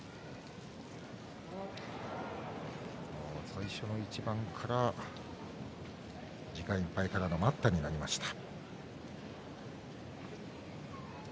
最初の一番から時間いっぱいからの待ったになりました。